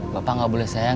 bapak gak boleh sayang